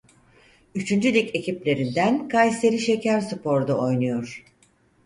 Üçüncü Lig ekiplerinden Kayseri Şekerspor'da oynuyor.